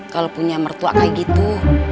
kalau punya mertua kayak gitu